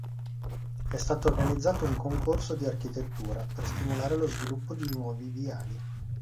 È stato organizzato un concorso di architettura per stimolare lo sviluppo di nuovi viali.